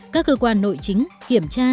các cơ quan nội chính kiểm tra